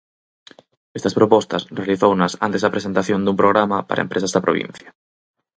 Estas propostas realizounas antes da presentación dun programa para empresas da provincia.